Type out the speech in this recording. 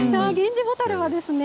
ゲンジボタルはですね